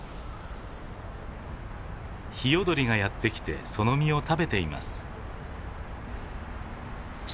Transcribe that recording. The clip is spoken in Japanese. ヒヨドリがやって来てその実を食べています。